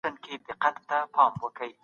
هغه وویل چي ښه خلک د غره په څېر ثابت وي.